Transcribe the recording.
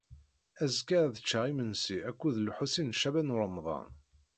Azekka, ad cceɣ imensi akked Lḥusin n Caɛban u Ṛemḍan.